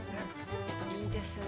いいですね。